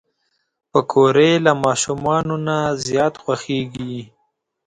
پکورې له ماشومانو نه زیات خوښېږي